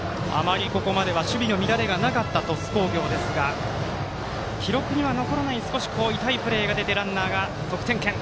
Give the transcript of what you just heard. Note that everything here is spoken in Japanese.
ここまでは、あまり守備の乱れがなかった鳥栖工業ですが記録には残らない、少し痛いプレーが出てランナーが得点圏。